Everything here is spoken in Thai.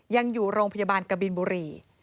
ยังอยู่โรงพยาบาลกบินบุรี